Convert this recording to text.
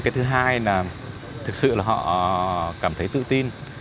cái thứ hai là thực sự là họ cảm thấy tự tin